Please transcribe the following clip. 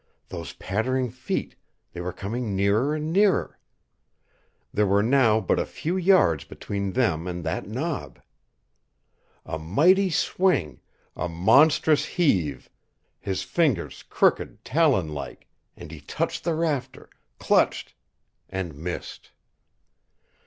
Those pattering feet, they were coming nearer and nearer. There were now but a few yards between them and that knob. A mighty swing, a monstrous heave, his fingers crooked talon like, and he touched the rafter, clutched and missed.